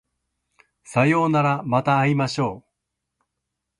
さようならまた会いましょう